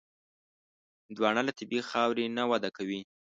هندوانه له طبیعي خاورې نه وده کوي.